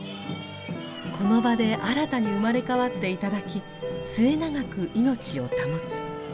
この場で新たに生まれ変わって頂き末永く命を保つ。